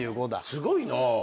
すごいなぁ。